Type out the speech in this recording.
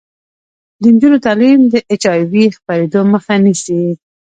د نجونو تعلیم د اچ آی وي خپریدو مخه نیسي.